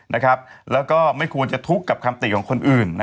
แล้วก็ไม่ควรจะทุกข์กับคำติของคนอื่น